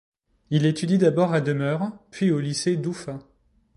Il étudie d'abord à demeure, puis au lycée d'Oufa.